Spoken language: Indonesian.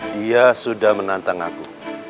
dia sudah menantang aku